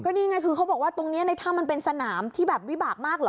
นี่ไงคือเขาบอกว่าตรงนี้ในถ้ำมันเป็นสนามที่แบบวิบากมากเหรอ